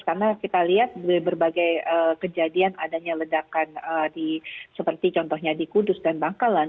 karena kita lihat berbagai kejadian adanya ledakan seperti contohnya di kudus dan bangkalan